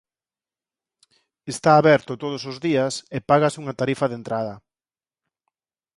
Está aberto todos os días e págase unha tarifa de entrada.